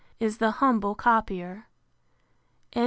is the humble copier. Tuesday.